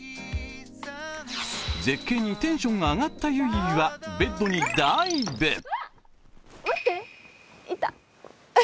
絶景にテンションが上がったゆいゆいは、ベッドにダイブ！